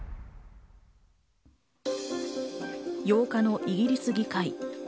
８日のイギリス議会。